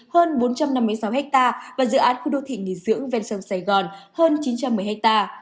hơn bốn trăm năm mươi sáu ha và dự án khu đô thị nghỉ dưỡng ven sông sài gòn hơn chín trăm một mươi ha